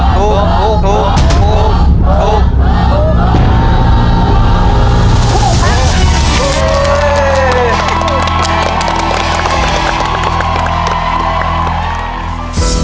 ถูก